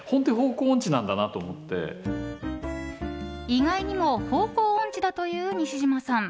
意外にも方向音痴だという西島さん。